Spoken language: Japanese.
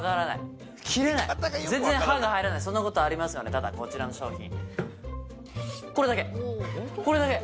ただこちらの商品。